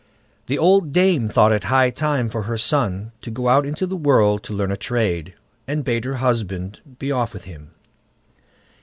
The old dame thought it high time for her son to go out into the world to learn a trade, and bade her husband be off with him.